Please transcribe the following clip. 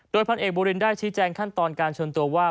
พันเอกบูรินได้ชี้แจงขั้นตอนการเชิญตัวว่า